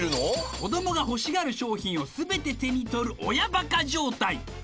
子どもが欲しがる商品を全て手に取る親バカ状態